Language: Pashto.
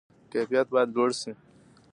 کیفیت باید لوړ شي